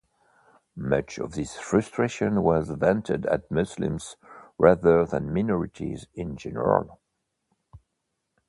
Much of this frustration was vented at Muslims rather than minorities in general.